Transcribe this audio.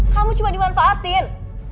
kamu cuma dimanfaatin